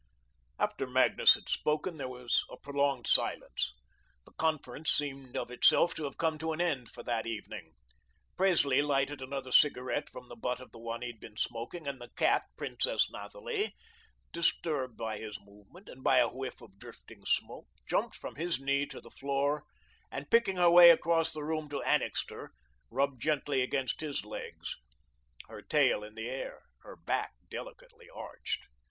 After Magnus had spoken, there was a prolonged silence. The conference seemed of itself to have come to an end for that evening. Presley lighted another cigarette from the butt of the one he had been smoking, and the cat, Princess Nathalie, disturbed by his movement and by a whiff of drifting smoke, jumped from his knee to the floor and picking her way across the room to Annixter, rubbed gently against his legs, her tail in the air, her back delicately arched.